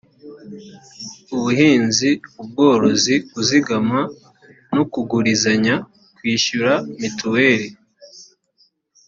ubuhinzi ubworozi kuzigama no kugurizanya kwishyura mituweli